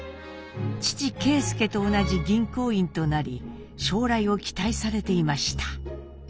父啓介と同じ銀行員となり将来を期待されていました。